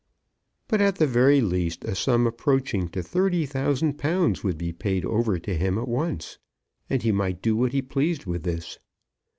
But at the very least a sum approaching to thirty thousand pounds would be paid over to him at once. And he might do what he pleased with this.